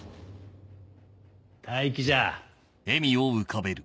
待機じゃあ。